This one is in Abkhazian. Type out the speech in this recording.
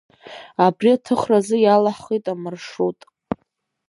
Абри аҭыхразы иалаҳхит амаршрут…